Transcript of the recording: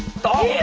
え！